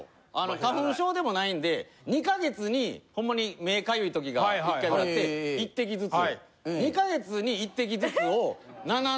花粉症でもないんで２か月にほんまに目かゆい時が１回ぐらいあって１滴ずつ。